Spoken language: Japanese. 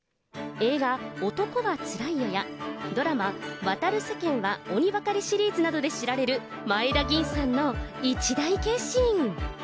映画、男はつらいよや、ドラマ、渡る世間は鬼ばかりシリーズなどで知られる前田吟さんの一大決心。